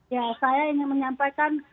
ya saya ingin menyampaikan